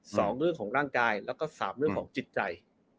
สองเรื่องของร่างกายแล้วก็สามเรื่องของจิตใจ